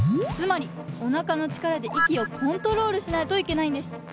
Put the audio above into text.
つまりおなかのちからで息をコントロールしないといけないんです。